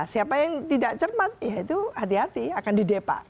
siapa yang tidak cermat ya itu hati hati akan didepa